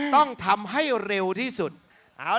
น้องปลอยจะให้ไข่กับพี่สมลักษณ์